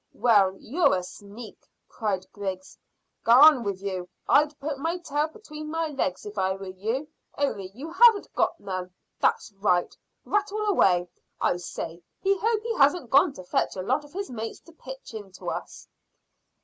"Well, you are a sneak," cried Griggs. "Gahn with you! I'd put my tail between my legs if I were you, only you haven't got none. That's right; rattle away. I say, I hope he hasn't gone to fetch a lot of his mates to pitch into us."